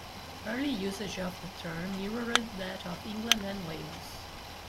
Early usage of the term mirrored that of England and Wales.